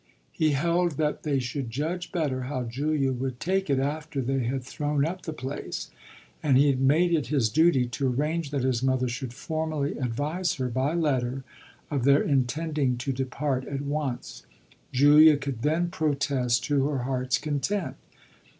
He held that they should judge better how Julia would take it after they had thrown up the place; and he made it his duty to arrange that his mother should formally advise her, by letter, of their intending to depart at once. Julia could then protest to her heart's content.